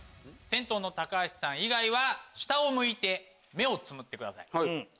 先頭の橋さん以外は下を向いて目をつむってください。